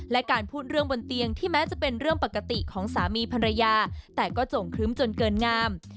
และการพูดเรื่องบนเตียงที่แม้จะเป็นเรื่องปกติของสามีภรรยาแต่ก็โจ่งครึ้มจนเกินงาม